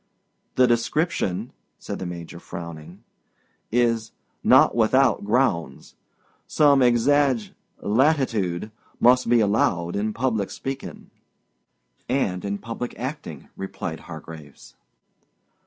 "The description," said the Major, frowning, "is—not without grounds. Some exag—latitude must be allowed in public speaking." "And in public acting," replied Hargraves.